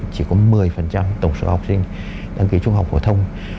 chỉ có một mươi phần trăm tổng số học sinh đăng ký trung học phổ thông